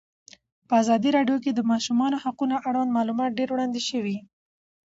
په ازادي راډیو کې د د ماشومانو حقونه اړوند معلومات ډېر وړاندې شوي.